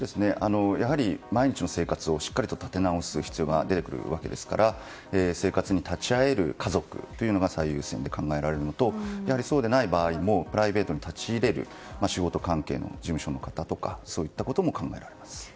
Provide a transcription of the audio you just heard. やはり毎日の生活をしっかりと立て直す必要が出てくるわけですから生活に立ち会える家族というのが最優先で考えられるのとそうでない場合もプライベートに立ち入れる仕事関係の事務所の方とかそういったことも考えられます。